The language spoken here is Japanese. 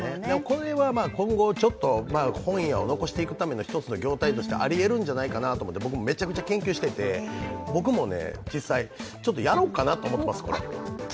これは今後、本屋を残していくための一つの業態としてありえるんじゃないかなと思っていて僕もめちゃくちゃ研究してて、僕も実際にこれやろうかなと思ってます。